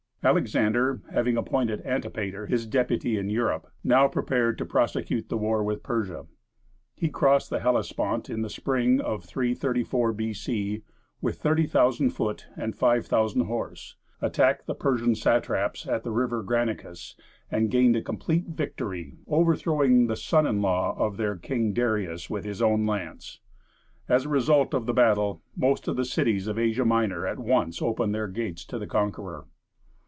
Alexander, having appointed Antipater his deputy in Europe, now prepared to prosecute the war with Persia. He crossed the Hellespont in the spring of 334 B.C. with 30,000 foot and 5,000 horse, attacked the Persian satraps at the River Granicus, and gained a complete victory, overthrowing the son in law of their king Darius with his own lance. As a result of the battle, most of the cities of Asia Minor at once opened their gates to the conqueror.